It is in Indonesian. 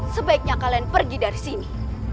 sebaiknya kalian pergi dari sini